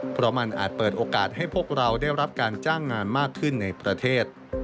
เพราะมันอาจเปิดโอกาสให้พวกเราได้รับการจ้างงานมากขึ้นในประเทศ